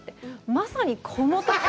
まさにこのとき。